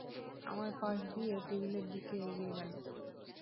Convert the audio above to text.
আমার পাশ দিয়ে তার টেবিলের দিকে এগিয়ে গেল।